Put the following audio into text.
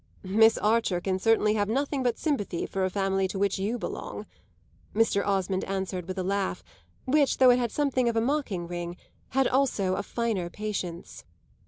"Miss Archer can certainly have nothing but sympathy for a family to which you belong," Mr. Osmond answered, with a laugh which, though it had something of a mocking ring, had also a finer patience.